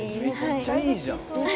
めっちゃいいじゃん！